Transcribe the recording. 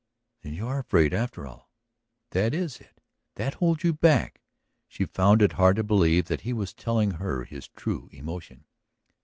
"Then you are afraid, after all? That is it? That holds you back?" She found it hard to believe that he was telling her his true emotion.